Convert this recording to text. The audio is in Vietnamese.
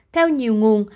theo nhiều nguồn